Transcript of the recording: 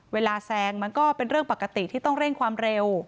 แซงมันก็เป็นเรื่องปกติที่ต้องเร่งความเร็ว